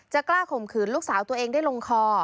กล้าข่มขืนลูกสาวตัวเองได้ลงคอ